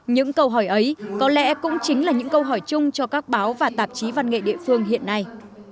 những câu hỏi ấy có lẽ cũng chính là những câu hỏi chung cho các báo và tạp chí văn nghệ địa phương hiện nay